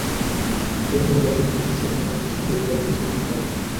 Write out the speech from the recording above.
সেই থেকে যশরাজ ফিল্মস এবং শাহরুখের সঙ্গে দূরত্ব বজায় রেখে চলছেন কাজল।